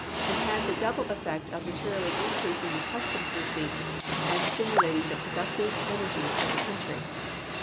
and had the double effect of materially increasing the cus toms receipts and stimulating the productive en ergies of the country.